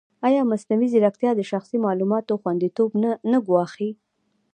ایا مصنوعي ځیرکتیا د شخصي معلوماتو خوندیتوب نه ګواښي؟